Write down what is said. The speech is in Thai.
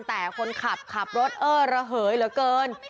แต่คนขับขับรถเอ้อระเหยเหลือเกิน